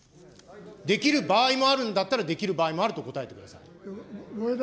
できる場合もあるんだったら、できる場合もあると答えてください。